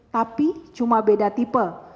tapi cuma beda tipe